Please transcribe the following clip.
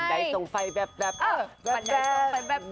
บั่นใดถ้องไฟแบบแบบเอ่อ